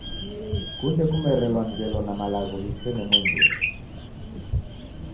Sikunde kumerelwa ngelo na malagho ghisene mwengere.